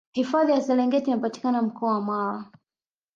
hifadhi ya serengeti inapatikana mkoani mara